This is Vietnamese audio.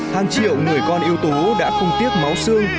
hàng triệu người con yêu tú đã không tiếc máu xương